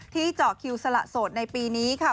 เจาะคิวสละโสดในปีนี้ค่ะ